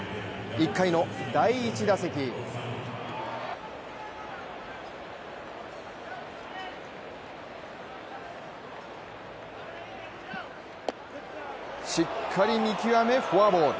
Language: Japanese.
１回の第１打席しっかり見極めフォアボール。